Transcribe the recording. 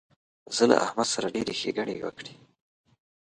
زه له احمد سره ډېرې ښېګڼې وکړې.